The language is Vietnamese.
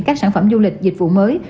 các sản phẩm du lịch dịch vụ mới